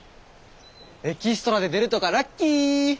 エキストラで出るとかラッキー。